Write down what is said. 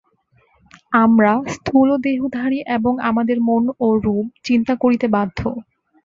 আমরা স্থূলদেহধারী এবং আমাদের মনও রূপ চিন্তা করিতে বাধ্য।